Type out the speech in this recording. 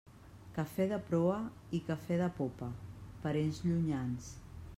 Café de proa i café de popa, parents llunyans.